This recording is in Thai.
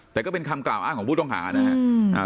แต่ก็เป็นคำกล่าวอ้างของผู้ต้องหานะครับ